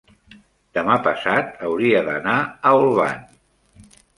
demà passat hauria d'anar a Olvan.